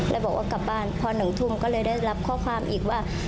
แล้วบอกว่ากลับบ้านพอ๑ทุ่มก็เลยได้รับข้อความอีกว่า